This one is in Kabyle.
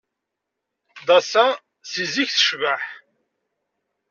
Dassin seg zik tecbeḥ.